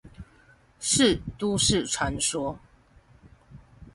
是都市傳說